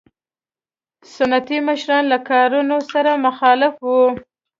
سنتي مشران له کارونې سره مخالف وو.